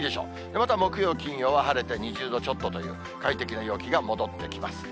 また木曜、金曜は晴れて２０度ちょっとという、快適な陽気が戻ってきます。